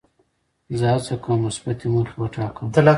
زه هڅه کوم مثبتې موخې وټاکم.